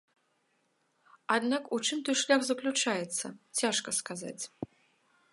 Аднак у чым той шлях заключаецца, цяжка сказаць.